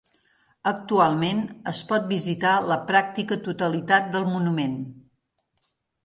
Actualment es pot visitar la pràctica totalitat del monument.